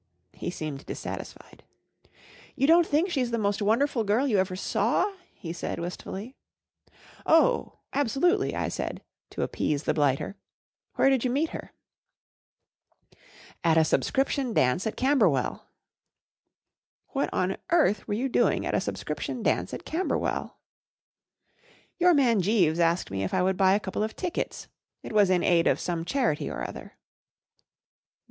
He seemed dissatisfied* " You don't think she's the most wonderful girl you ever saw ?" lie said, wistfully. 41 Oh, absolutely I " I said, to appease the blighter. " Where did you meet her ?" 44 At a subscription dance at Camberwell." 4 What on earth were you doing at a subscription dance at Camberwell? 41 II Your man Jeeves asked me if I would buy a couple of tickets. It was in aid of some charity or other.